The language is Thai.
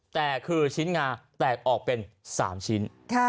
แต่คือชิ้นงาแตกออกเป็น๓ชิ้น